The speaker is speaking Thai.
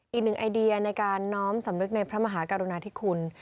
อีกหนึ่งไอเดียในการน้อมสำนึกในพระมหากรุณาธิคุณ